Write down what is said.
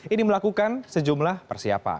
ini melakukan sejumlah persiapan